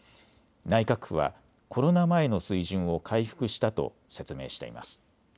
内閣府はコロナ前の水準を回復したと説明しています。